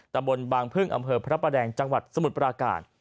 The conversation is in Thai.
ตำบลบางพึ่งอำเภอพระประแดงจังหวัดสมุทรปราการ